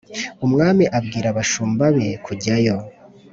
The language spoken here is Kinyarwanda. umwami abwira abashumba be kujyayo